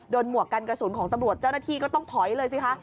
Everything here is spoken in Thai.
หมวกกันกระสุนของตำรวจเจ้าหน้าที่ก็ต้องถอยเลยสิคะ